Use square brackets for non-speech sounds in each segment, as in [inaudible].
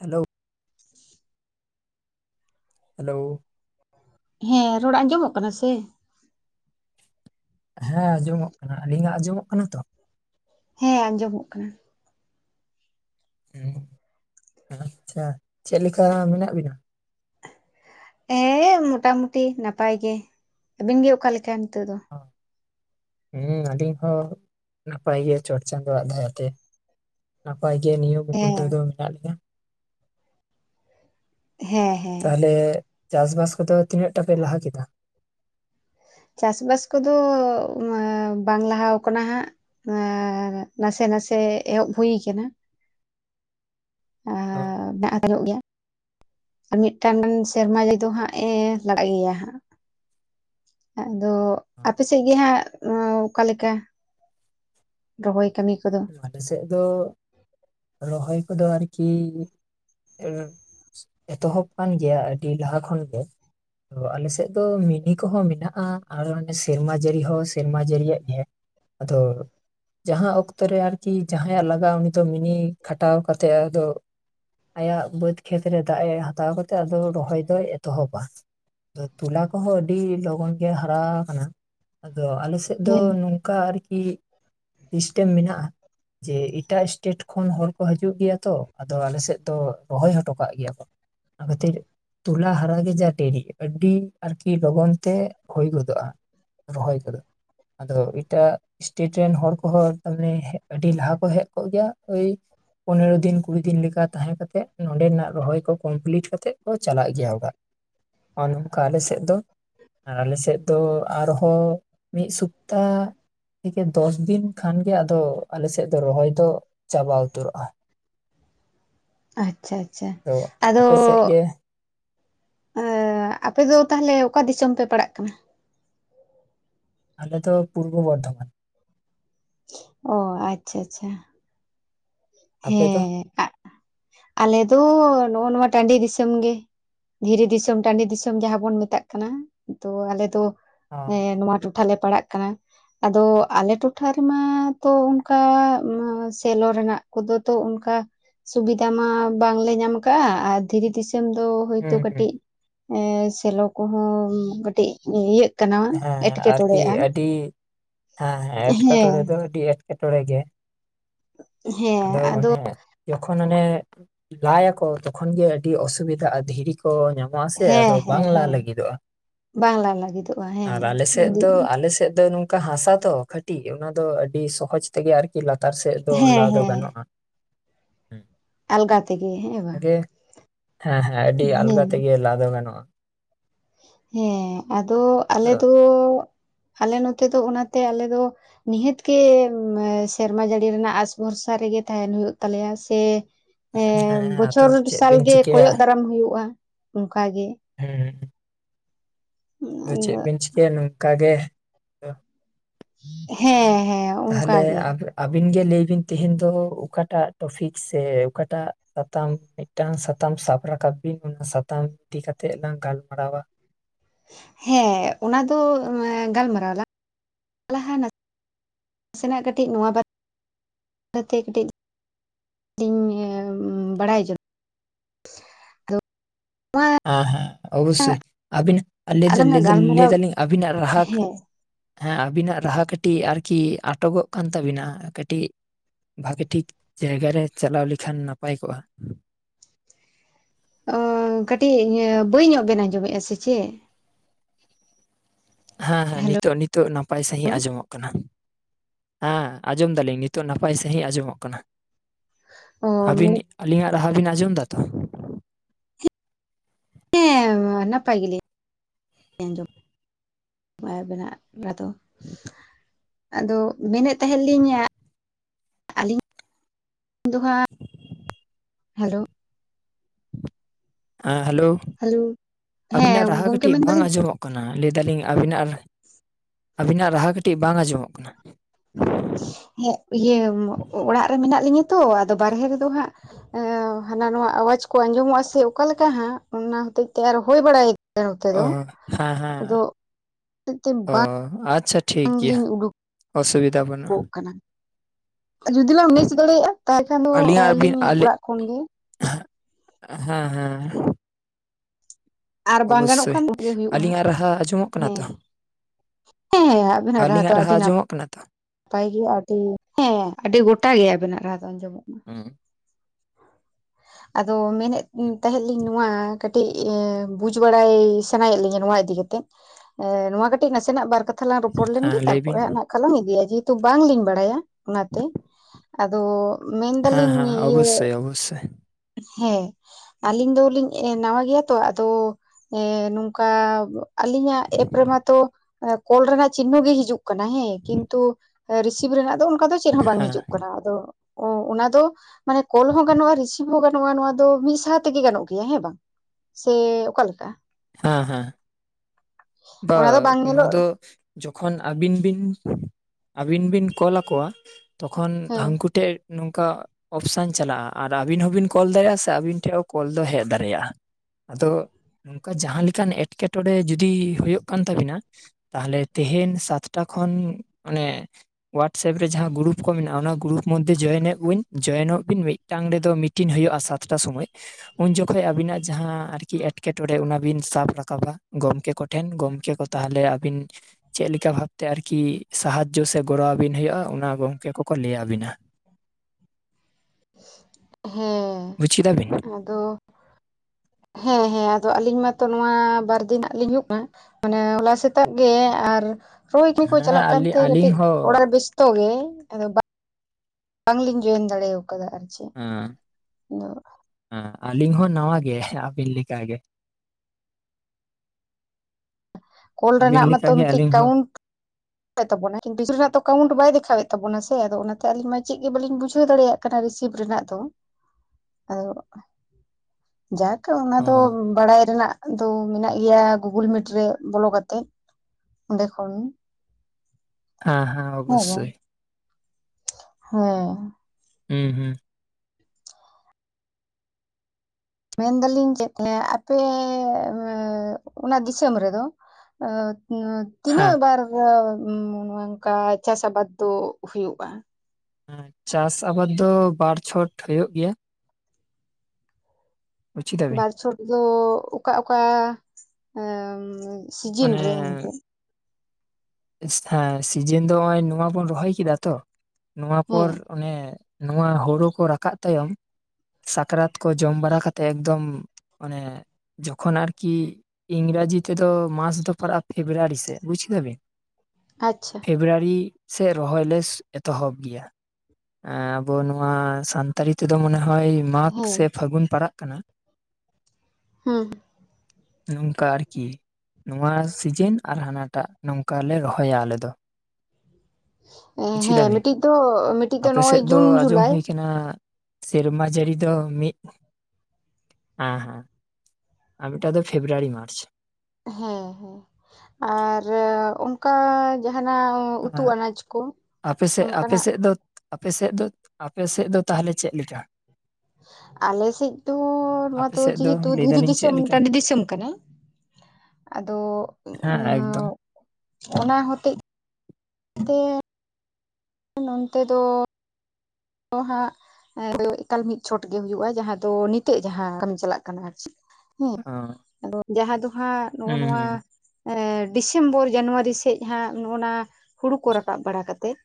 Hello. Hello. ᱦᱮᱸ ᱨᱚᱲ ᱟᱸᱡᱚᱢᱚᱜ ᱠᱟᱱᱟ ᱥᱮ? ᱦᱮᱸ ᱟᱸᱡᱚᱢᱚᱜ ᱠᱟᱱᱟ, ᱟᱹᱞᱤᱧᱟᱜ ᱟᱸᱡᱚᱢᱚᱜ ᱠᱟᱱᱟ ᱛᱚ? ᱦᱮᱸ ᱟᱸᱡᱚᱢᱚᱜ ᱠᱟᱱᱟ᱾ ᱦᱩᱸ ᱟᱸᱻ ᱟᱪᱪᱷᱟ ᱪᱮᱜ ᱞᱮᱠᱟ ᱢᱮᱱᱟᱜ ᱵᱤᱱᱟ? ᱮᱸᱻ ᱢᱚᱴᱟᱼᱢᱩᱴᱤ ᱱᱟᱯᱟᱭ ᱜᱮ, ᱟᱹᱵᱤᱱ ᱜᱮ ᱚᱠᱟ ᱞᱮᱠᱟ ᱱᱤᱛᱚᱜ ᱫᱚ? ᱦᱚᱸ ᱦᱩᱸ ᱟᱹᱞᱤᱧ ᱦᱚᱸ ᱱᱟᱯᱟᱭ ᱜᱮ ᱪᱚᱴ ᱪᱟᱸᱫᱚ ᱣᱟᱜ ᱫᱟᱭᱟ ᱛᱮ᱾ ᱱᱟᱯᱟᱭ ᱜᱮ ᱱᱤᱭᱟᱹ ᱢᱩᱦᱩᱲ ᱦᱮᱸ ᱛᱮᱫᱚ ᱢᱮᱱᱟᱜ ᱞᱤᱧᱟ᱾ ᱦᱮᱸ᱾ ᱦᱮᱸ ᱛᱟᱦᱚᱞᱮ ᱪᱟᱥᱵᱟᱥ ᱠᱚᱫᱚ ᱛᱤᱱᱟᱹᱜ ᱴᱟ ᱯᱮ ᱞᱟᱦᱟ ᱠᱮᱫᱟ ᱪᱟᱥᱵᱟᱥ ᱠᱚᱫᱚ ᱵᱟᱝ ᱞᱟᱦᱟ ᱠᱟᱱᱟ ᱦᱟᱸᱜ ᱟᱨ ᱱᱟᱥᱮ ᱱᱟᱥᱮ ᱮᱦᱚᱵ ᱦᱩᱭ ᱟᱠᱟᱱᱟ ᱦ ᱦ ᱢᱮᱱᱟᱜ ᱦᱟᱛᱚᱜ ᱜᱮᱭᱟ ᱟᱨ ᱢᱤᱫᱴᱟᱝ ᱥᱮᱨᱢᱟ ᱡᱮ ᱫᱚ ᱦᱟᱸᱜ ᱮ ᱞᱟᱲᱟᱜ ᱜᱮᱭᱟ ᱦᱟᱸᱜ ᱟᱫᱚ ᱟᱯᱮ ᱥᱮᱫ ᱜᱮ ᱦᱟᱸᱜ ᱚᱠᱟᱞᱮᱠᱟ ᱨᱚᱦᱚᱭ ᱠᱟᱹᱢᱤ ᱠᱚᱫᱚ ᱟᱞᱮ ᱥᱮᱫ ᱫᱚ ᱨᱚᱦᱚᱭ ᱠᱚᱫᱚ ᱟᱨᱠᱤ [unintelligible] ᱮᱛᱚᱦᱚᱵ ᱠᱟᱱ ᱜᱮᱭᱟ ᱟᱹᱰᱤ ᱞᱟᱦᱟ ᱠᱷᱚᱱ ᱜᱮ ᱛᱚ ᱟᱞᱮ ᱥᱮᱫ ᱫᱚ ᱢᱤᱱᱤ ᱠᱚᱦᱚᱸ ᱢᱮᱱᱟᱜᱼᱟ ᱟᱨ ᱥᱮᱨᱢᱟ ᱡᱟᱹᱲᱤ ᱦᱚᱸ ᱥᱮᱨᱢᱟ ᱡᱟᱹᱲᱤᱭᱟᱜ ᱜᱮ ᱟᱫᱚ ᱡᱟᱦᱟᱸ ᱚᱠᱛᱚ ᱚᱠᱛᱚ ᱨᱮ ᱟᱨᱠᱤ ᱡᱟᱦᱟᱸᱭᱟᱜ ᱞᱟᱜᱟᱜᱼᱟ ᱩᱱᱤ ᱫᱚ ᱢᱤᱱᱤ ᱠᱷᱟᱴᱟᱣ ᱠᱟᱛᱮᱫ ᱟᱫᱚ ᱟᱭᱟᱜ ᱵᱟᱹᱫᱽ ᱠᱷᱮᱛᱨᱮ ᱫᱟᱜ ᱮ ᱦᱟᱛᱟᱣ ᱠᱟ ᱠᱟᱛᱮᱫ ᱟᱫᱚ ᱨᱚᱦᱚᱭ ᱫᱚᱭ ᱮᱛᱚᱦᱚᱵᱟ ᱛᱚᱞᱟ ᱠᱚᱦᱚᱸ ᱟᱹᱰᱤ ᱞᱚᱜᱚᱱ ᱜᱮ ᱦᱟᱨᱟ ᱟᱠᱟᱱᱟ ᱟᱫᱚ ᱟᱞᱮ ᱥᱮᱫ ᱮᱛᱮᱫ ᱫᱚ ᱦᱮᱸ ᱱᱚᱝᱠᱟ ᱟᱨᱠᱤ ᱥᱤᱥᱴᱮᱢ ᱢᱮᱱᱟᱜᱼᱟ ᱡᱮ ᱮᱴᱟᱜ ᱮᱥᱴᱮᱴ ᱠᱷᱚᱱ ᱦᱚᱲ ᱠᱚ ᱦᱤᱡᱩᱜ ᱜᱮᱭᱟ ᱛᱚ ᱟᱫᱚ ᱟᱞ ᱥᱮᱫ ᱫᱚ ᱨᱚᱦᱚᱭ ᱦᱚᱴᱚ ᱠᱟᱜ ᱜᱮᱭᱟ ᱠᱚ ᱟᱛ ᱛᱚᱞᱟ ᱦᱟᱨᱟ ᱜᱮ ᱡᱟ ᱰᱮᱨᱤ ᱟᱹᱰᱤ ᱟᱨᱠᱤ ᱞᱚᱜᱚᱱ ᱛᱮ ᱦᱩᱭ ᱜᱚᱫᱚᱜᱼᱟ ᱨᱚᱦᱚᱭ ᱜᱚᱫᱚᱜ ᱟᱫᱚ ᱮᱴᱟᱜ ᱥᱥᱴᱮᱴ ᱨᱮᱱ ᱦᱚᱲ ᱠᱚᱦᱚᱸ ᱛᱟᱨᱟᱱᱮ ᱟᱹᱰᱤ ᱞᱟᱦᱟ ᱠᱚ ᱦᱮᱡ ᱠᱚᱜ ᱜᱮᱭᱟ ᱳᱭ ᱯᱚᱱᱮᱨᱚ ᱫᱤᱱ ᱠᱩᱲᱤ ᱫᱤᱱ ᱞᱮᱠᱟ ᱛᱟᱦᱮᱸ ᱠᱟ ᱠᱟᱛᱮᱫ ᱱᱚᱸᱰᱮᱱᱟᱜ ᱨᱚᱦᱚᱭ ᱠᱚ ᱠᱚᱢᱯᱞᱤᱴ ᱠᱟᱛᱮᱫ ᱠᱚ ᱪᱟᱞᱟᱜ ᱜᱮᱭᱟ ᱚᱲᱟᱜ ᱱᱚᱜᱼ ᱱᱚᱝᱠᱟ ᱟᱞ ᱥᱮᱫ ᱫᱚ ᱟᱨ ᱟᱞᱮᱥᱮᱫ ᱫᱚ ᱟᱨᱦᱚᱸ ᱢᱤᱫ ᱥᱚᱯᱛᱟ ᱛᱷᱮᱠᱮ ᱫᱚᱥ ᱫᱤᱱ ᱠᱷᱟᱱ ᱜᱮ ᱟᱫᱚ ᱟᱞᱮ ᱥᱮᱫ ᱫᱚ ᱨᱚᱦᱚᱭ ᱫᱚ ᱪᱟᱵᱟ ᱩᱛᱟᱹᱨᱚᱜᱼᱟ ᱟᱪᱷᱟ ᱟᱪᱷᱟ ᱛᱚ ᱟᱫᱚ ᱟᱯᱮ ᱥᱮᱫ ᱜᱮ ᱟᱯᱮ ᱫᱚ ᱛᱟᱦᱚᱞᱮ ᱚᱠᱟ ᱫᱤᱥᱚᱢ ᱯᱮ ᱯᱟᱲᱟᱜ ᱠᱟᱱᱟ ᱟᱞᱮ ᱫᱚ ᱯᱩᱨᱵᱚ ᱵᱚᱨᱫᱷᱚᱢᱟᱱ ᱚ ᱟᱪᱷᱟ ᱟᱪᱷᱟ ᱟᱯᱮ ᱫᱚ ᱦᱮᱸ ᱟᱞᱮ ᱫᱚ ᱱᱚᱜᱼᱚ ᱱᱚᱣᱟ ᱴᱟᱺᱰᱤ ᱫᱤᱥᱚᱢ ᱜᱮ ᱫᱷᱤᱨᱤ ᱫᱤᱥᱚᱢ ᱴᱟᱺᱰᱤ ᱫᱤᱥᱚᱢ ᱡᱟᱦᱟᱸ ᱵᱚᱱ ᱢᱮᱛᱟᱜ ᱠᱟᱱᱟ ᱛᱚ ᱟᱞᱮ ᱫᱚ ᱚ, ᱮ ᱱᱚᱣᱟ ᱴᱚ ᱴᱛᱷᱟ ᱞᱮ ᱯᱟᱲᱟᱜ ᱠᱟᱱᱟ ᱟᱫᱚ ᱟᱞᱮ ᱴᱚᱴᱷᱟ ᱨᱮᱢᱟ ᱛᱚ ᱚᱱᱠᱟ ᱥᱮᱞᱚ ᱨᱮᱱᱟᱜ ᱠᱚᱫᱚ ᱛᱚ ᱚᱱᱠᱟ ᱥᱩᱵᱤᱫᱟ ᱢᱟ ᱵᱟᱝᱞᱮ ᱧᱟᱢ ᱟᱠᱟᱜᱼᱟ ᱟᱨ ᱫᱷᱤᱨᱤ ᱫᱤᱥᱚᱢ ᱫᱚ ᱦᱳᱭᱛᱚ ᱦᱩᱸ ᱦᱩᱸ ᱠᱟᱹᱴᱤᱡ ᱮᱸ ᱥᱮᱞᱚ ᱠᱚᱦᱚᱸ ᱠᱟᱹᱴᱤᱡ ᱤᱭᱟᱹᱜ ᱠᱟᱱᱟ ᱦᱮᱸ ᱟᱨᱠᱤ ᱮᱴᱠᱮᱴᱚᱬᱮᱜᱼᱟ ᱟᱹᱰᱤ ᱦᱮᱸ ᱦᱮᱸ ᱮᱴᱠᱮᱴᱚᱲᱮ ᱫᱚ ᱟᱹᱰᱤ ᱮᱴᱠᱮᱴᱚᱲᱮ ᱜᱮ ᱟᱫᱚ ᱚᱱᱮ ᱡᱚᱠᱷᱚᱱ ᱚᱱᱮ ᱞᱟᱭ ᱟᱠᱚ ᱛᱚᱠᱷᱚᱱ ᱜᱮ ᱟᱹᱰᱤ ᱚᱥᱩᱵᱤᱫᱟᱜᱼᱟ ᱫᱷᱤᱨᱤ ᱠᱚ ᱧᱟᱢᱚᱜ ᱢᱟᱥᱮ ᱟᱫᱚ ᱦᱮᱸ ᱦᱮᱸ ᱵᱟᱝ ᱞᱟᱜ ᱦᱮᱸ ᱞᱟᱹᱜᱤᱫᱚᱜᱼᱟ ᱵᱟᱝ ᱞᱟ ᱞᱟᱹᱜᱤᱫᱚᱜᱼᱟ ᱟᱨ ᱦᱮᱸ ᱟᱞᱮ ᱥᱮᱫ ᱫᱚ ᱟᱞᱮ ᱥᱮᱫ ᱫᱚ ᱱᱚᱝᱠᱟ ᱚᱱᱠᱟ ᱦᱟᱥᱟ ᱫᱚ ᱠᱟᱹᱴᱤᱡ ᱚᱱᱟ ᱫᱚ ᱟᱹᱰᱤ ᱥᱚᱦᱚᱡ ᱛᱮᱜᱮ ᱟᱨᱠᱤ ᱞᱟᱛᱟᱨ ᱥᱮᱫ ᱫᱚ ᱦᱮᱸ ᱞᱟ ᱫᱚ ᱦᱮᱸ [unintelligible] ᱟᱞᱜᱟ ᱛᱮᱜᱮ ᱦᱮᱸ ᱵᱟᱝ ᱚᱱᱟᱜᱮ ᱦᱮᱸ ᱦᱮᱸ ᱟᱹᱰᱤ ᱟᱞᱜᱟ ᱦᱮᱸ ᱛᱮᱜᱮ ᱞᱟᱫᱚ ᱜᱟᱱᱚᱜᱼᱟ ᱦᱮᱸ ᱟᱫᱚ ᱟᱞᱮ ᱟᱫᱚ ᱫᱚ ᱟᱞᱮ ᱱᱚᱛᱮ ᱫᱚ ᱚᱱᱟᱛᱮ ᱟᱞᱮ ᱫᱚ ᱱᱤᱦᱟᱹᱛ ᱜᱮ ᱥᱮᱨᱢᱟ ᱡᱟᱹᱲᱤ ᱨᱮᱱᱟᱜ ᱟᱥ ᱵᱷᱚᱨᱥᱟ ᱨᱮᱜᱮ ᱛᱟᱦᱮᱱ ᱦᱩᱭᱩᱜ ᱛᱟᱞᱮᱭᱟ ᱥᱮ ᱮᱸ ᱦᱮᱸ ᱟᱫᱚ ᱵᱚᱪᱷᱚᱨ ᱪᱮᱫ ᱥᱟᱞ ᱵᱤᱱ ᱜᱮ ᱪᱤᱠᱟᱹᱭᱟ ᱠᱚᱭᱚᱜ ᱫᱟᱨᱟᱢ ᱦᱩᱭᱩᱜᱼᱟ ᱚᱱᱠᱟ ᱜᱮ ᱦᱮᱸ ᱟᱫᱚ ᱪᱮᱫ ᱵᱤᱱ ᱪᱤᱠᱟᱹᱭᱟ ᱱᱚᱝᱠᱟ ᱜᱮ ᱟᱫᱚ ᱦᱮᱸ ᱦᱮᱸ ᱚᱱᱠᱟ ᱛᱟᱦᱞᱮ ᱜᱮ ᱟᱯᱮ ᱟᱹᱵᱤᱱ ᱜᱮ ᱞᱟᱹᱭ ᱵᱤᱱ ᱛᱮᱦᱮᱧ ᱫᱚ ᱚᱠᱟᱴᱟᱜ ᱴᱚᱯᱤᱠ ᱥᱮ ᱚᱠᱟᱴᱟᱜ ᱥᱟᱛᱟᱢ? ᱢᱤᱜᱴᱟᱝ ᱥᱟᱛᱟᱢ ᱥᱟᱵ ᱨᱟᱠᱟᱵ ᱵᱤᱱ ᱚᱱᱟ ᱥᱟᱛᱟᱢ ᱤᱫᱤ ᱠᱟᱛᱮᱜ ᱞᱟᱝ ᱜᱟᱞᱢᱟᱨᱟᱣᱟ᱾ ᱦᱮᱸ ᱚᱱᱟ ᱫᱚ ᱜᱟᱞᱢᱟᱨᱟᱣ ᱞᱟᱝ ᱞᱟᱦᱟᱱᱟ ᱱᱟᱥᱮᱱᱟᱜ ᱠᱟᱹᱴᱤᱡ ᱱᱚᱣᱟ ᱵᱟ ᱛᱮᱛᱮ ᱠᱟᱹᱴᱤᱡ ᱤᱧ ᱵᱟᱲᱟᱭ ᱚᱪᱚ ᱱᱚᱣᱟ ᱮᱸ ᱦᱮᱸ ᱚᱵᱚᱥᱥᱳᱭ ᱟᱹᱵᱤᱱ ᱟᱞᱟᱝᱟᱜ ᱜᱟᱞᱢᱟᱨᱟᱣ ᱞᱟᱹᱭᱫᱟᱹ-ᱞᱟᱹᱭᱫᱟᱹ-ᱞᱟᱹᱭᱫᱟᱞᱤᱧ ᱟᱹᱵᱤᱱᱟᱜ ᱨᱟᱦᱟ ᱦᱮᱸ ᱟᱵᱤᱱᱟᱜ ᱨᱟᱦᱟ ᱠᱟᱹᱴᱤᱜ ᱟᱨᱠᱤ ᱟᱴᱚᱠᱚᱜ ᱠᱟᱱ ᱛᱟᱵᱤᱱᱟ ᱠᱟᱹᱴᱤᱜ ᱵᱷᱟᱜᱤ ᱴᱷᱤᱠ ᱡᱟᱭᱜᱟ ᱨᱮ ᱪᱟᱞᱟᱣ ᱞᱤᱠᱷᱟᱱ ᱱᱟᱯᱟᱭ ᱠᱚᱜᱼᱟ᱾ ᱚ ᱠᱟᱹᱴᱤᱜ ᱵᱟᱹᱭ ᱧᱚᱜ ᱵᱮᱱ ᱟᱸᱡᱚᱢᱮᱜᱼᱟ ᱥᱮ ᱪᱮᱜ? ᱦᱮᱸ ᱦᱮᱸ ᱦᱮᱞᱳ ᱱᱤᱛᱚᱜ ᱱᱤᱛᱚᱜ ᱱᱟᱯ ᱯᱟᱭ ᱥᱟᱺᱦᱤᱡ ᱟᱸᱡᱚᱢᱚᱜ ᱠᱟᱱᱟ ᱟᱸ ᱟᱸᱡᱚᱢ ᱫᱟᱞᱤᱧ ᱱᱤᱛᱚᱜ ᱱᱟᱯᱟᱭ ᱥᱟᱺᱦᱤᱜ ᱟᱸᱡᱚᱢᱚᱜ ᱠᱟᱱᱟ᱾ ᱚ ᱟᱹᱵᱤᱱ ᱟᱹᱞᱤᱧᱟᱜ ᱨᱟᱦᱟ ᱵᱤᱱ ᱟᱸᱡᱚᱢ ᱫᱟᱛᱚ? ᱮᱸ ᱱᱟᱯᱟᱭ ᱜᱮᱞᱤᱧ ᱟᱸᱡᱚᱢ ᱟᱵᱮᱱᱟᱜ ᱨᱟᱫᱚ ᱟᱫᱚ ᱢᱮᱱᱮᱫ ᱛᱟᱦᱮᱸᱫ ᱞᱤᱧ ᱟ ᱟᱹᱞᱤᱧ ᱫᱚ ᱡᱟᱦᱟᱜ ᱦᱮᱞᱳ ᱦᱮᱸ ᱦᱮᱞᱳ ᱦᱮᱞᱳ ᱦᱮᱸ ᱟᱵᱤᱱᱟᱜ ᱨᱟᱦᱟ ᱜᱚᱝᱠᱮ ᱠᱟᱹᱴᱤᱜ ᱵᱟᱝ ᱢᱮᱱᱫᱟᱞᱤᱧ ᱟᱸᱡᱚᱢᱚᱜ ᱠᱟᱱᱟ ᱞᱟᱹᱭ ᱫᱟᱞᱤᱧ ᱟᱵᱤᱱᱟᱜ ᱨᱟ [inaudible] ᱟᱵᱤᱱᱟᱜ ᱨᱟᱦᱟ ᱠᱟᱹᱴᱤᱜ ᱵᱟᱝ ᱟᱸᱡᱚᱢᱚᱜ ᱠᱟᱱᱟ᱾ ᱦᱮᱸ ᱤᱭᱟᱹ ᱚᱲᱟᱜ ᱨᱮ ᱢᱮᱱᱟᱜ ᱞᱤᱧᱟᱹ ᱛᱚ ᱟᱫᱚ ᱵᱟᱨᱦᱮ ᱨᱮᱫᱚ ᱦᱟᱸᱜ ᱮᱸ ᱦᱟᱱᱟ ᱱᱟᱣᱟ ᱟᱣᱟᱡ ᱠᱚ ᱟᱸᱡᱚᱢᱚᱜᱼᱟ ᱥᱮ ᱚᱠᱟᱞᱮᱠᱟ ᱦᱟᱸᱜ ᱚᱱᱟ ᱦᱚᱛᱮᱡ ᱛᱮ ᱟᱨ ᱦᱳᱭ ᱵᱟᱲᱟᱭ ᱛᱮ ᱱᱚᱛᱮ ᱚ ᱫᱚ ᱦᱮᱸ ᱦᱮᱸ ᱟᱫᱚ ᱚ ‍ᱵᱟᱝ ᱟᱪᱪᱷᱟ ᱴᱷᱤᱠ ᱜᱮᱭᱟ ᱞᱤᱧ ᱩᱰᱩᱠ ᱚᱥᱩᱵᱤᱫᱷᱟ ᱵᱟᱹ ᱠᱩᱜ ᱠᱟᱱᱟ ᱡᱩᱫᱤ ᱞᱟᱝ ᱢᱮᱪ ᱫᱟᱲᱤᱭᱟᱜᱼᱟ ᱛᱟᱦᱞᱮ ᱠᱷᱟᱱ ᱫᱚ ᱟᱹᱞᱤᱧᱟᱜ ᱵᱤᱱ ᱟᱹᱞᱤᱧ ᱟᱞᱮ ᱚᱲᱟᱜ ᱠᱷᱚᱱᱜᱮ ᱦᱮᱸ ᱦᱮᱸ ᱟᱨ ᱵᱟᱝ ᱜᱟᱱᱚᱜ ᱚᱵᱚᱥᱥᱳᱭ ᱠᱷᱟᱱ ᱜᱮ ᱦᱩᱭᱩᱜᱼᱟ ᱟᱹᱞᱤᱝᱟᱜ ᱨᱟᱦᱟ ᱟᱸᱡᱚᱢᱚᱜ ᱠᱟᱱᱟ? ᱛᱚ ᱦᱮᱸ ᱦᱮᱸ ᱦᱮᱸ ᱟᱹᱞᱤᱝᱟᱜ ᱨᱟᱦᱟ ᱟᱸᱡᱚᱢᱚᱜ ᱠᱟᱱᱟ ᱛᱚ? ᱯᱟᱭ ᱜᱮ ᱟᱹᱰᱤ ᱦᱮᱸ ᱟᱹᱰᱤ ᱜᱚᱴᱟ ᱜᱮ ᱟᱵᱮᱱᱟᱜ ᱨᱟᱦᱟ ᱫᱚ ᱟᱸᱡᱚᱢᱚᱜ ᱦᱩᱸ ᱟᱫᱚ ᱢᱮᱱᱮᱫ ᱛᱟᱦᱮᱸᱫ ᱞᱤᱧ ᱱᱚᱣᱟ ᱠᱟᱹᱴᱤᱜ ᱵᱩᱡ ᱵᱟᱲᱟᱭ ᱥᱟᱱᱟᱭᱮᱜ ᱞᱤᱧᱟᱹ ᱱᱚᱣᱟ ᱤᱫᱤ ᱠᱟᱛᱮᱜ ᱮ ᱱᱚᱣᱟ ᱠᱟᱹᱴᱤᱜ ᱱᱟᱥᱮᱱᱟᱜ ᱵᱟᱨ ᱠᱟᱛ ᱛᱷᱟᱞᱟᱝ ᱨᱚᱯᱚᱲ ᱞᱮᱱᱜᱤ ᱞᱟᱹᱭ ᱵᱤᱱ ᱛᱟᱨᱯᱚᱨᱮ ᱦᱟᱸᱜ ᱱᱟᱜᱠᱷᱟᱱ ᱞᱟᱝ ᱤᱫᱤᱭᱟ ᱡᱮᱦᱮᱛᱩ ᱵᱟᱝᱞᱤᱧ ᱵᱟᱲᱟᱭᱟ ᱚᱱᱟᱛᱮ᱾ ᱟᱫᱚ ᱢᱮᱱᱫᱟᱞᱤᱧ ᱤᱭᱟᱹ ᱚᱵᱚᱥᱥᱚᱭ ᱦᱮᱸ ᱟᱹᱞᱤᱧ ᱫᱚᱞᱤᱧ ᱱᱟᱣᱟ ᱜᱮᱭᱟ ᱛᱚ ᱟᱫᱚ ᱦᱮᱸ ᱱᱚᱝᱠᱟ ᱟᱞᱤᱧᱟᱜ ᱮᱯ ᱨᱮᱢᱟᱛᱚ ᱠᱚᱞ ᱨᱮᱱᱟᱜ ᱪᱤᱱᱷᱚ ᱜᱮ ᱦᱤᱡᱩᱜ ᱠᱟᱱᱟ ᱦᱮᱸ ᱠᱤᱱᱛᱩ ᱨᱤᱥᱤᱵᱽ ᱨᱮᱱᱟᱜ ᱫᱚ ᱚᱱᱠᱟ ᱫᱚ ᱪᱮᱫ ᱦᱚᱸ ᱵᱟᱝ ᱦᱤᱡᱩᱜ ᱠᱟᱱᱟ ᱟᱫᱚ ᱚ ᱚᱱᱟ ᱫᱚ ᱢᱟᱱᱮ ᱠᱚᱞ ᱦᱚᱸ ᱜᱟᱱᱚᱜᱼᱟ ᱨᱤᱥᱤ ᱜᱟᱱᱚᱜᱼᱟ ᱱᱚᱣᱟ ᱫᱚ ᱢᱤᱫ ᱥᱟᱶ ᱛᱮᱜᱮ ᱜᱟᱱᱚᱜ ᱜᱮᱭᱟ ᱦᱮᱸ ᱵᱟᱝ ᱥᱮ ᱚᱠᱟ ᱞᱮᱠᱟ? ᱦᱮᱸ ᱦᱮᱸ ᱦᱚᱸ ᱚᱱᱟ ᱫᱚ ᱵᱟᱝ ᱱᱚᱣᱟ ᱧᱮᱞᱚᱜ ᱫᱚ ᱡᱚᱠᱷᱚᱱ ᱟᱹᱵᱤᱱ ᱵᱤᱱ ᱟᱹᱵᱤᱱ ᱵᱤᱱ ᱠᱚᱞ ᱟᱠᱚᱣᱟ ᱛᱚᱠᱷᱚᱱ ᱦᱮᱸ ᱦᱟᱹᱜᱠᱩ ᱴᱷᱮᱜ ᱱᱚᱝᱠᱟ ᱚᱯᱚᱮᱱ ᱪᱟᱞᱟᱜᱼᱟ᱾ ᱟᱨ ᱟᱵᱤᱱ ᱦᱚᱸᱵᱤᱱ ᱠᱚᱞ ᱫᱟᱲᱮᱭᱟᱜᱼᱟ ᱥᱮ ᱟᱵᱤᱱ ᱴᱷᱮᱱ ᱦᱚᱸ ᱠᱚᱞ ᱫᱚ ᱦᱮᱡ ᱫᱟᱲᱮᱭᱟᱜᱼᱟ᱾ ᱟᱫᱚ ᱱᱚᱝᱠᱟ ᱡᱟᱦᱟᱸ ᱞᱮᱠᱟᱱ ᱮᱴᱠᱮᱴᱚᱬᱮ ᱡᱩᱫᱤ ᱦᱩᱭᱩᱜ ᱠᱟᱱ ᱛᱟᱵᱤᱱᱟ ᱛᱟᱦᱞᱮ ᱛᱮᱦᱮᱧ ᱥᱟᱛᱴᱟ ᱠᱷᱚᱱ ᱚᱱᱮ ᱳᱣᱟᱴᱥᱮᱯ ᱨᱮ ᱡᱟᱦᱟᱸ ᱜᱨᱩᱯ ᱠᱚ ᱢᱮᱱᱟᱜᱼᱟ ᱚᱱᱟ ᱜᱨᱩᱯ ᱢᱚᱫᱷᱮ ᱡᱚᱭᱮᱱᱚᱜ ᱵᱤᱱ ᱡᱚᱭᱮᱱᱚᱜ ᱵᱤᱱ ᱢᱤᱜ ᱴᱟᱝ ᱨᱮᱫᱚ ᱢᱤᱴᱤᱱ ᱦᱩᱭᱩᱜᱼᱟ ᱥᱟᱛᱴᱟ ᱥᱚᱢᱚᱭ᱾ ᱩᱱ ᱡᱚᱠᱷᱚᱡ ᱟᱹᱵᱤᱱᱟᱜ ᱡᱟᱦᱟᱸ ᱟᱨᱠᱤ ᱮᱸᱴᱠᱮᱴᱚᱲᱮ ᱚᱱᱟ ᱵᱤᱱ ᱥᱟᱵ ᱨᱟᱠᱟᱵᱟ ᱜᱚᱢᱠᱮ ᱠᱚᱴ- ᱴᱷᱮᱱ ᱜᱚᱢᱠᱮ ᱠᱚ ᱛᱟᱦᱮᱞᱮ ᱟᱹᱵᱤᱱ ᱪᱮᱫ ᱞᱮᱠᱟ ᱵᱷᱟᱵᱽ ᱛᱮ ᱟᱨᱠᱤ ᱥᱟᱦᱟᱡᱡᱳ ᱥᱮ ᱜᱚᱲᱚ ᱟᱵᱤᱱ ᱦᱩᱭᱩᱜᱼᱟ ᱚᱱᱟ ᱜᱚᱝᱠᱮ ᱠᱚᱠᱚ ᱞᱟᱹᱭ ᱟᱵᱤᱱᱟ᱾ [unintelligible] ᱦᱩᱸ ᱵᱩᱡ ᱠᱮᱫᱟ ᱵᱤᱱ? ᱟᱫᱚ ᱦᱮᱸ ᱦᱮᱸ ᱟᱫᱚ ᱟᱹᱞᱤᱧ ᱢᱟᱛᱚ ᱱᱚᱣᱟ ᱵᱟᱨ ᱫᱤᱱ ᱦᱟᱸᱜ ᱞᱤᱧ ᱦᱩᱭᱩᱜ ᱠᱟᱱᱟ, ᱢᱟᱱᱮ ᱦᱚᱞᱟ ᱥᱮᱛᱟᱜ ᱜᱮ, ᱟᱨ ᱨᱚᱦᱳᱭ ᱠᱚᱠᱚ ᱦᱮᱸ ᱪᱟᱞᱟᱜ ᱟᱹᱞᱤ ᱠᱟᱱᱛᱮ ᱟᱹᱞᱤᱧ ᱠᱟᱹᱴᱤᱡ ᱦᱚᱸ ᱚᱲᱟᱜ ᱨᱮ [inaudible] ᱵᱮᱥ ᱛᱚ ᱜᱮ ᱟᱫᱚ ᱵᱟᱝᱞᱤᱧ ᱡᱚᱭᱮᱱ ᱫᱟᱲᱮᱣᱟ ᱠᱟᱫᱟ ᱟᱨᱠᱤᱼᱼ ᱦᱮᱸ ᱦᱮᱸ ᱟᱹᱞᱤᱧ ᱦᱚᱸ ᱱᱟᱣᱟ ᱜᱮ ᱟᱹᱵᱤᱱ ᱞᱮᱠᱟᱜᱮ, ᱠᱚᱞ ᱟᱹᱵᱤᱱ ᱨᱮᱱᱟᱜ ᱢᱟᱛᱚ ᱞᱮᱠᱟᱜᱮ ᱢᱤᱫᱴᱤᱡ ᱟᱹᱞᱤᱧ ᱦᱚᱸ ᱾ ᱠᱟᱣᱩᱱᱴ ᱛᱟᱵᱚᱱᱟ [unintelligible] ᱠᱟᱣᱩᱱᱴ ᱵᱟᱭ ᱫᱮᱷᱟᱣᱮᱫ ᱛᱟᱵᱚᱱᱟ ᱥᱮ ᱟᱫᱚ ᱚᱱᱟᱛᱮ ᱟᱞᱤᱧ ᱢᱟ ᱪᱮᱜ ᱜᱮ ᱵᱟᱹᱞᱤᱧ ᱵᱩᱡᱷᱟᱹᱣ ᱫᱟᱲᱮᱭᱟᱜ ᱠᱟᱱᱟ ᱨᱤᱥᱤᱯ ᱨᱮᱱᱟᱜ ᱫᱚ ᱾ [inaudible] ᱡᱟᱠ ᱚᱱᱟ ᱚ ᱫᱚ ᱵᱟᱲᱟᱭ ᱨᱮᱱᱟᱜᱼᱼ ᱟᱫᱚ ᱢᱮᱱᱟᱜ ᱜᱮᱭᱟ ᱜᱩᱜᱩᱞ ᱢᱤᱴ ᱨᱮ ᱵᱚᱞᱚ ᱠᱟᱛᱮᱜ, ᱚᱸᱰᱮ ᱠᱷᱚᱱ ᱦᱮᱸ ᱦᱮᱸ ᱚᱵᱚᱥᱥᱳᱭ ᱾ ᱦᱳᱻ ᱦᱩᱸ ᱦᱩᱸ ᱢᱮᱱᱫᱟᱹᱞᱤᱧ ᱪᱮᱜ ᱛᱮ ᱟᱯᱮ ᱚᱱᱟ ᱫᱤᱥᱚᱢ ᱨᱮᱫᱚ? ᱟ [unintelligible] ᱛᱤᱱᱟᱹᱜ ᱦᱮᱸ ᱵᱟᱨ ᱱᱚᱝᱠᱟ ᱪᱟᱥ ᱟᱵᱟᱫ ᱫᱚ ᱦᱩᱭᱩᱜᱼᱟ? ᱦᱮᱸ ᱪᱟᱥ ᱟᱵᱟᱫ ᱫᱚ ᱵᱟᱨ ᱪᱷᱚᱴ ᱦᱳᱭᱳᱜ ᱜᱮᱭᱟ ᱾ ᱵᱩᱡ ᱠᱮᱫᱟᱵᱤᱱ ᱵᱟᱨ ᱪᱷᱚᱴ ᱫᱚ ᱚᱠᱟ ᱚᱠᱟ ᱥᱤᱡᱤᱱ ᱚᱱᱮ ᱨᱮ ᱮᱱᱛᱮᱫ? ᱦᱮᱸ ᱥᱤᱡᱮᱱ ᱫᱚ ᱦᱚᱜᱼᱚᱭ ᱱᱚᱣᱟ ᱵᱚᱱ ᱨᱚᱦᱚᱭ ᱠᱤᱫᱟ ᱛᱚ, ᱱᱚᱣᱟ ᱯᱚᱨ ᱦᱮᱸ ᱚᱱᱮ ᱱᱚᱣᱟ ᱦᱳᱲᱳ ᱠᱚ ᱨᱟᱠᱟᱜ ᱛᱟᱭᱚᱢ ᱥᱟᱠᱨᱟᱛ ᱠᱚ ᱡᱚᱢ ᱵᱟᱨᱟ ᱠᱟᱛᱮᱜ ᱮᱠᱫᱚᱢ ᱟᱱᱮᱼᱼ ᱡᱚᱠᱷᱚᱱ ᱟᱨᱠᱤ ᱤᱝᱨᱮᱡᱤ ᱛᱮᱫᱚ ᱢᱟᱥ ᱫᱚ ᱯᱟᱲᱟᱜᱼᱟ ᱯᱷᱮᱵᱽᱨᱩᱣᱟᱨᱤ ᱥᱮᱜ ᱵᱩᱡ ᱠᱤᱫᱟᱵᱤᱱ? ᱟᱪᱪᱷᱟ ᱯᱷᱮᱵᱽᱨᱟᱣᱨᱤ ᱥᱮᱜ ᱨᱚᱦᱚᱭ ᱞᱮ ᱮᱛᱚᱦᱚᱵ ᱜᱮᱭᱟ, ᱮᱸ ᱟᱵᱚ ᱱᱚᱣᱟ ᱥᱟᱱ ᱛᱟᱹᱨᱤ ᱛᱮᱫᱚ ᱢᱚᱱᱮ ᱦᱚᱭ ᱢᱟᱜᱽ ᱦᱮᱸ ᱥᱮ ᱯᱷᱟᱹᱜᱩᱱ ᱯᱟᱲᱟᱜ ᱠᱟᱱᱟ? ᱦᱩᱸ ᱱᱚᱝᱠᱟ ᱟᱨᱠᱤ ᱱᱚᱣᱟ ᱥᱤᱡᱤᱱ ᱟᱨ ᱦᱟᱱᱟᱴᱟᱜ ᱱᱚᱝ ᱠᱟᱞᱮ ᱨᱚᱦᱚᱭᱟ ᱟᱞᱮᱫᱚ ᱾ ᱦᱮᱸ ᱵᱤᱱ ᱢᱤᱜᱴᱤᱡ ᱫᱚ ᱢᱤᱜᱴᱤᱡ ᱫᱚ ᱱᱚᱜᱼᱚᱭ ᱡᱩᱱ ᱡᱩᱞᱟᱭ [unintelligible] ᱱᱟ ᱥᱮᱨᱢᱟ ᱡᱟᱹᱲᱤ ᱫᱚ ᱢᱤᱜᱼᱼ ᱦᱮᱸ ᱦᱮᱸ ᱟ ᱢᱮᱜᱴᱟ ᱫᱚ ᱯᱷᱮᱵᱨᱩᱣᱟᱨᱤ ᱢᱟᱨᱪ ᱦᱮᱸᱦᱮᱸ ᱟᱨ ᱚᱱᱴᱝᱠᱟ ᱡᱟᱦᱟᱱᱟᱜ ᱩᱛᱩ ᱟᱨ ᱟᱱᱟᱡ ᱠᱚ ᱟᱯᱮ ᱥᱮᱜ ᱟᱯᱮ ᱚᱱᱠᱟᱱᱟᱜ ᱥᱮᱜ ᱫᱚ ᱟᱯᱮ ᱥᱮᱜ ᱫᱚ, ᱟᱯᱮ ᱥᱮᱜ ᱫᱚ ᱛᱟᱦᱞᱮ ᱪᱮᱜ ᱞᱮᱠᱟ? ᱟᱞᱮ ᱥᱮᱫ ᱫᱚ ᱱᱚᱣᱟ ᱟᱯᱮ ᱫᱚ ᱥᱮᱫ ᱡᱮᱦᱮᱛᱩ ᱞᱟᱹᱭ ᱫᱷᱤᱨᱤ ᱫᱟᱞᱤᱧ ᱪᱮᱫ ᱫᱤᱥᱚᱢ, ᱞᱮᱠᱟ ᱴᱟᱺᱰᱤ ᱫᱤᱥᱚᱢ ᱠᱟᱱᱟ ᱟᱫᱚ ᱦᱮᱸ ᱮᱠᱫᱚᱢ ᱩ ᱚᱱᱟ ᱦᱚᱛᱮᱡ ᱛᱮ ᱱᱚᱱᱛᱮ ᱫᱚ [inaudible] ᱦᱟᱜ [unintelligible] ᱮᱠᱟᱞ ᱢᱤᱜ ᱪᱷᱚᱴ ᱜᱮ ᱦᱩᱭᱩᱜᱼᱟ ᱡᱟᱦᱟᱸ ᱫᱚ ᱱᱤᱛᱟᱹᱜ ᱡᱟᱦᱟᱸ ᱠᱟᱹᱢᱤ ᱪᱟᱞᱟᱜ ᱠᱟᱱᱟ ᱟᱨ ᱪᱤᱜ ᱦᱚᱸ ᱦᱮᱸ ᱟᱫᱚ ᱡᱟᱦᱟᱸ ᱫᱚ ᱦᱟᱸᱜ ᱱᱚᱜᱼᱚ ᱦᱩᱸ ᱱᱚᱣᱟ ᱦᱩᱸ ᱮ ᱰᱤᱥᱮᱢᱵᱚᱨ ᱡᱟᱱᱩᱣᱟᱨᱤ ᱥᱮᱜ ᱦᱟᱸᱜ ᱱᱚᱜ ᱱᱟ ᱦᱩᱲᱩ ᱠᱚ ᱨᱟᱠᱟᱵ ᱵᱟᱲᱟ ᱠᱟᱛᱮᱜ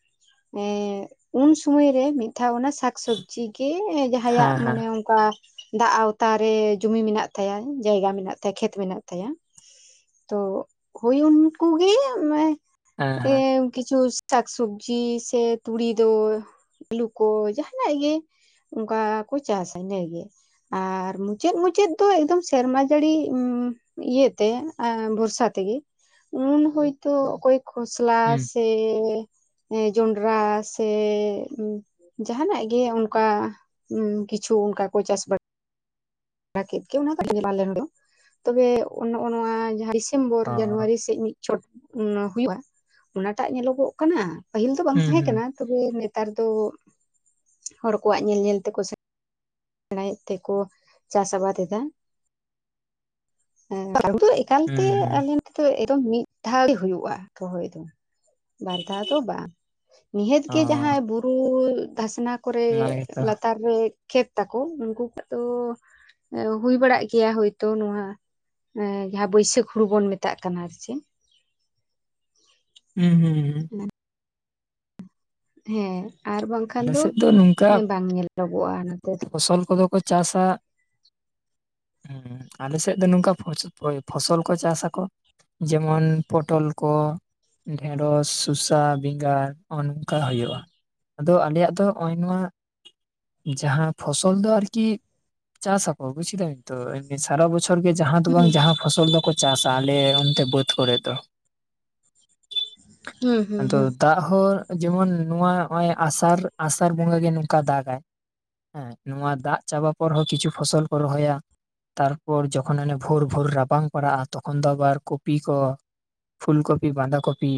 ᱮᱸ ᱩᱱ ᱥᱚᱢᱚᱭ ᱨᱮ ᱢᱤᱜ ᱫᱷᱟᱣ ᱚᱱᱟ ᱥᱟᱠᱥᱚᱵᱡᱤ ᱜᱮ ᱡᱟᱦᱟᱸᱭᱟᱜ ᱦᱮᱸ ᱦᱮᱸ ᱢᱟᱱᱮ ᱚᱝ [inaudible] ᱠᱟ ᱫᱟᱜ ᱟᱣᱛᱟᱨᱮ ᱡᱩᱢᱤ ᱢᱮᱱᱟᱜ ᱛᱟᱭᱟ, ᱡᱟᱭᱜᱟ ᱢᱮᱱᱟᱜ ᱛᱟᱭᱟ ᱠᱷᱮᱛ ᱢᱮᱱᱟᱜ ᱛᱟᱭᱟ᱾ ᱛᱚ ᱦᱩᱭ ᱩᱱᱠᱩ ᱜᱤ ᱢᱮ ᱦᱮᱸ ᱮ ᱦᱮᱸ ᱠᱤᱪᱷᱩ ᱥᱟᱠᱥᱚᱵᱽᱡᱤ ᱥᱮ ᱛᱩᱲᱤ ᱫᱚ ᱠᱚ ᱡᱟᱦᱟᱱᱟᱜ ᱜᱮ ᱚᱱᱠᱟ ᱠᱚ ᱪᱟᱥᱟ ᱤᱱᱟᱹ ᱜᱮ ᱟᱨ ᱢᱩᱪᱟᱹᱫ ᱢᱩᱪᱟᱹᱫ ᱫᱚ ᱮᱠᱫᱚᱢ ᱥᱮᱨᱢᱟ ᱡᱟᱹᱲᱤ ᱩᱢᱼᱼ ᱤᱭᱟᱹᱛᱮ ᱵᱷᱚᱨᱥᱟ ᱛᱮᱜᱮ ᱩᱱ ᱦᱚᱭᱛᱳ ᱚᱠᱚᱭ ᱠᱷᱚᱥᱞᱟ ᱦᱩᱸ ᱥᱮ ᱡᱚᱸᱵᱨᱟ ᱥᱮ ᱡᱟᱦᱟᱱᱟᱜ ᱜᱮ ᱚᱱᱠᱟ ᱠᱤᱪᱷᱩ ᱚᱱᱠᱟ ᱠᱚ ᱪᱟᱥ ᱵᱟᱲᱼᱼ ᱠᱮᱜ ᱜᱮ ᱚᱱᱟ [unintelligible] ᱛᱚᱵᱮ ᱱᱚᱜᱼᱚ ᱱᱚᱣᱟ ᱡᱟᱦᱟᱸ ᱰᱤᱥᱮᱢᱵᱚᱨ ᱚ ᱡᱟᱱᱩᱣᱟᱨᱤ ᱥᱮᱜ ᱢᱤᱜ ᱪᱷᱚᱴ ᱱᱚ ᱦᱩᱭᱩᱜᱼᱟ ᱚᱱᱟᱴᱟᱜ ᱧᱮᱞᱚᱜᱚᱜ ᱠᱟᱱᱟ ᱯᱟᱹᱦᱤᱞ ᱫᱚ ᱵᱟᱝ ᱦᱩᱸ ᱛᱟᱦᱮᱸ ᱦᱩᱸ ᱠᱟᱱᱟ ᱛᱚᱵᱮ ᱱᱮᱛᱟᱨ ᱫᱚ ᱦᱚᱲ ᱠᱚᱣᱟᱜ ᱧᱮᱞ ᱧᱮᱞ ᱛᱮᱠᱚ ᱥᱮᱼᱼ ᱥᱮᱲᱟᱭᱮᱜ ᱛᱮᱠᱚ ᱪᱟᱥ ᱟᱵᱟᱫ ᱮᱫᱟ, [unintelligible] ᱦᱩᱸ ᱮᱠᱟᱞᱛᱮ ᱦᱩᱸ ᱟᱹᱞᱤᱧ ᱮᱫᱚ ᱮᱠᱫᱚᱢ ᱢᱤᱜ ᱫᱷᱟᱣ ᱜᱮ ᱦᱩᱭᱩᱜᱼᱟ ᱨᱚᱦᱚᱭ ᱫᱚ ᱵᱟᱨ ᱫᱷᱟᱣ ᱫᱚ ᱵᱟᱝ ᱾ ᱱᱤᱦᱟᱹᱛ ᱚ ᱜᱮ ᱡᱟᱦᱟᱸᱭ ᱵᱩᱨᱩ ᱫᱷᱟᱥᱱᱟ ᱠᱚᱨᱮ ᱚᱱᱟ ᱜᱮᱛᱚ ᱞᱟᱛᱟᱨ ᱨᱮ ᱠᱷᱮᱛ ᱛᱟᱠᱚ ᱩᱱᱠᱩ ᱠᱚᱣᱟᱜ ᱫᱚ ᱦᱩᱭ ᱵᱟᱲᱟᱜ ᱜᱮᱭᱟ ᱦᱳᱭᱛᱳ ᱱᱚᱶᱟ ᱡᱟᱦᱟᱸ ᱵᱟᱹᱭᱥᱟᱹᱠᱷ ᱦᱩᱲᱩ ᱵᱚᱱ ᱢᱮᱛᱟᱜ ᱠᱟᱱᱟ ᱟᱨ ᱪᱮᱫ ᱦᱩᱸ ᱦᱩᱸ ᱦᱩᱸ ᱦᱮᱸ ᱟᱨ ᱵᱟᱝᱠᱷᱟᱱ ᱟᱞᱮ ᱫᱚ ᱥᱮᱫ ᱵᱟᱝ ᱧᱮᱞᱚᱜᱚᱜᱼᱟ ᱱᱚᱛᱮ ᱫᱚ ᱥᱚᱞ ᱠᱚᱫᱚ ᱠᱟᱹᱡᱼᱼ ᱪᱟᱥᱟ ᱦᱮᱸ ᱟᱞᱮ ᱥᱮᱫ ᱫᱚ ᱱᱚᱝᱠᱟ ᱯᱷᱚᱥᱚᱞ ᱠᱚ ᱪᱟᱥᱟ ᱠᱚ ᱡᱮᱢᱚᱱ ᱯᱚᱴᱚᱞ ᱠᱚ ᱰᱷᱮᱸᱲᱚᱥ ᱥᱚᱥᱟ ᱵᱮᱸᱜᱟᱲ ᱚᱱᱠᱟ ᱦᱩᱭᱩᱜᱼᱟ ᱟᱫᱚ ᱟᱞᱮᱭᱟᱜ ᱫᱚ ᱱᱚᱜᱼᱚᱭ ᱱᱚᱣᱟ ᱡᱟᱦᱟᱸ ᱯᱷᱚᱥᱚᱞ ᱫᱚ ᱟᱨᱠᱤ ᱪᱟᱥᱟᱠᱚ ᱵᱩᱡᱽ ᱠᱮᱫᱟᱢ ᱛᱚ ᱥᱟᱨᱟ ᱵᱚᱪᱷᱚᱨ ᱚᱨ ᱜᱮ ᱡᱟᱦᱟᱸ ᱫᱚ ᱵᱟᱝ ᱦᱩᱸ ᱡᱟᱦᱟᱸ ᱯᱷᱚᱥᱚᱞ ᱫᱚᱠᱚ ᱪᱟᱥᱟ ᱟᱞᱮ ᱚᱱᱛᱮ ᱵᱟᱹᱫᱽ ᱠᱚᱨᱮ ᱫᱚ ᱦᱩᱸ ᱦᱩᱸ ᱟᱫᱚ ᱦᱩᱸ ᱫᱟᱜ ᱦᱚᱸ ᱡᱮᱢᱚᱱ ᱱᱚᱣᱟ ᱱᱚᱜᱼᱚᱭ ᱟᱥᱟᱲ ᱟᱥᱟᱲ ᱵᱚᱸᱜᱟ ᱜᱮ ᱱᱚᱝᱠᱟ ᱫᱟᱜᱟᱭ ᱦᱮᱸ ᱱᱚᱣᱟ ᱫᱟᱜ ᱪᱟᱵᱟ ᱯᱚᱨ ᱦᱚᱸ ᱠᱤᱪᱷᱩ ᱯᱷᱚᱥᱚᱞ ᱠᱚ ᱨᱚᱦᱚᱭᱟ ᱛᱟᱨᱯᱚᱨ ᱡᱚᱠᱷᱚᱱ ᱚᱱᱮ ᱵᱷᱳᱨ ᱵᱷᱳᱨ ᱨᱟᱵᱟᱝ ᱯᱟᱲᱟᱜᱼᱟ ᱛᱚᱠᱷᱚᱱ ᱫᱚ ᱟᱵᱟᱨ ᱠᱚᱯᱤ ᱠᱚ ᱯᱷᱩᱞᱠᱚᱯᱤ ᱵᱟᱸᱫᱷᱟ ᱠᱚᱯᱤ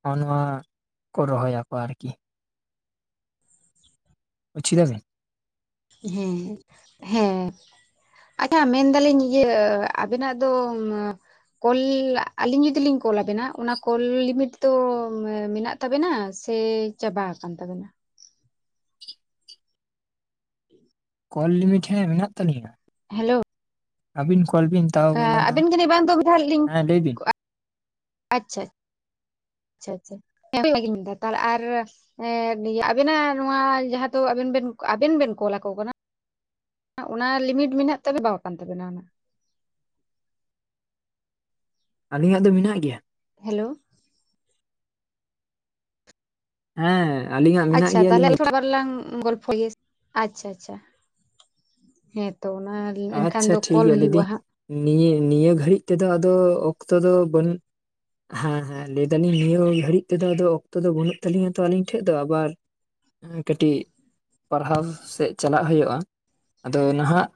ᱱᱚᱜᱼᱚ ᱱᱚᱣᱟ ᱠᱚ ᱨᱚᱦᱚᱭᱟ ᱯᱟᱨᱠᱤ ᱵᱩᱡᱷ ᱠᱤᱫᱟᱵᱤᱱ ᱦᱮᱸ ᱦᱮᱸ ᱟᱪᱪᱷᱟ ᱢᱮᱱᱫᱟᱞᱤᱧ ᱤᱭᱟᱹ ᱟᱵᱮᱱᱟᱜ ᱫᱚ ᱠᱚᱞ ᱟᱹᱞᱤᱧ ᱡᱩᱫᱤ ᱞᱤᱧ ᱠᱚᱞ ᱟᱵᱮᱱᱟ ᱚᱱᱟ ᱠᱚᱞ ᱞᱤᱢᱤᱴ ᱫᱚ ᱢᱮᱱᱟᱜ ᱛᱟᱵᱮᱱᱟᱜ ᱥᱮ ᱪᱟᱵᱟ ᱟᱠᱟᱱ ᱛᱟᱵᱮᱱᱟ ᱠᱚᱞ ᱞᱤᱢᱤᱴ ᱦᱮᱸ ᱢᱮᱱᱟᱜ ᱛᱟᱹᱞᱤᱧᱟ ᱦᱮᱞᱳ ᱟᱹᱵᱤᱱ ᱠᱚᱞ ᱵᱤᱱ ᱛᱟᱣ ᱵᱚᱞᱚᱱᱟ ᱟᱵᱮᱱ ᱡᱟᱹᱱᱤᱡ ᱵᱟᱝ ᱫᱚ ᱢᱤᱫ ᱫᱷᱟᱣ ᱞᱤᱧ ᱦᱮᱸ ᱞᱟᱹᱭ ᱵᱤᱱ ᱟᱪᱪᱷᱟ ᱟᱪᱪᱷᱟ ᱟᱪᱪᱷᱟ ᱜᱤᱧ ᱞᱟᱜᱼᱜᱤᱞᱤᱧ ᱢᱤᱫ ᱫᱷᱟ ᱛᱟᱦᱚᱞᱮ ᱟᱨ ᱮ ᱟᱵᱮᱱᱟᱜ ᱱᱚᱣᱟ ᱡᱟᱦᱟᱸ ᱫᱚ ᱟᱵᱮᱱ ᱵᱤᱱ ᱟᱵᱮᱱ ᱵᱤᱱ ᱠᱚᱞ ᱟᱠᱚ ᱠᱟᱱᱟ ᱚᱱᱟ ᱞᱤᱢᱤᱴ ᱢᱮᱱᱟᱜ ᱛᱮ ᱪᱟᱵᱟ ᱠᱟᱱ ᱛᱟᱵᱮᱱᱟ ᱚᱱᱟ᱾ ᱟᱹᱞᱤᱧᱟᱜ ᱫᱚ ᱢᱮᱱᱟᱜ ᱜᱮᱭᱟ ᱦᱮᱞᱳ ᱦᱮᱸ ᱟᱹᱞᱤᱧᱟᱜ ᱢᱮᱱᱟᱜ ᱟᱪᱪᱷᱟ ᱜᱮᱭᱟ ᱛᱟᱦᱚᱞᱮ ᱞᱤᱢᱤᱴ ᱛᱷᱚᱲᱟ [unintelligible] ᱵᱟᱨᱞᱟᱝ ᱜᱚᱞᱯᱚ ᱜᱮ ᱟᱪᱪᱷᱟ ᱟᱪᱪᱷᱟ ᱦᱮᱸᱛᱚ ᱚᱱᱟ ᱮᱱᱠᱷᱟᱱ ᱟᱪᱪᱷᱟ ᱫᱚ ᱴᱷᱤᱠ ᱠᱚᱞ ᱜᱮᱭᱟ ᱞᱟᱹᱭ ᱦᱩᱭᱩᱜᱼᱟ ᱫᱤᱧ ᱦᱟᱸᱜ ᱱᱤᱭᱟᱹ ᱱᱤᱭᱟᱹ ᱜᱷᱟᱹᱲᱤᱡ ᱛᱮᱫᱚ ᱟᱫᱚ ᱚᱠᱛᱚ ᱫᱚ ᱵᱟᱹᱱᱩᱜ ᱦᱮᱸ ᱦᱮᱸ ᱞᱟᱹᱭ ᱫᱟᱞᱤᱧ ᱱᱤᱭᱟᱹ ᱜᱷᱟᱹᱲᱤᱡ ᱛᱮᱫᱚ ᱟᱫᱚ ᱚᱠᱛᱚ ᱫᱚ ᱵᱟᱹᱱᱩᱜ ᱛᱟᱹᱞᱤᱧᱟ ᱛᱚ ᱟᱞᱤᱧ ᱴᱷᱮᱡ ᱫᱚ ᱟᱵᱟᱨ ᱠᱟᱹᱴᱤᱡ ᱯᱟᱲᱦᱟᱣ ᱥᱮᱫ ᱪᱟᱞᱟᱜ ᱦᱩᱭᱩᱜᱼᱟ ᱟᱫᱚ ᱱᱟᱦᱟᱜ